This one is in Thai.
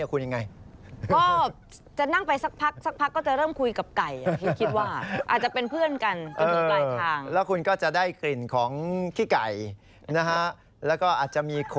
คุณยังไง